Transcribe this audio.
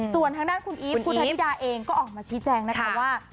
ส่วนทางด้านคุณอีฟคุณธนิดาเองก็ออกมาชี้แจงนะคะว่า